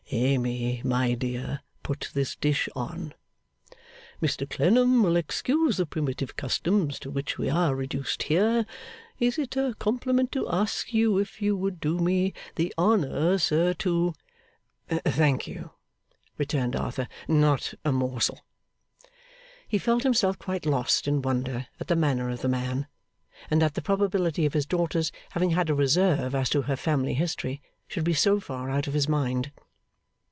Amy, my dear, put this dish on; Mr Clennam will excuse the primitive customs to which we are reduced here. Is it a compliment to ask you if you would do me the honour, sir, to ' 'Thank you,' returned Arthur. 'Not a morsel.' He felt himself quite lost in wonder at the manner of the man, and that the probability of his daughter's having had a reserve as to her family history, should be so far out of his mind.